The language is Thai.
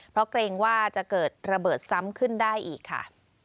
เพราะเกรงว่าจะเกิดระเบิดซ้ำขึ้นได้อีกค่ะ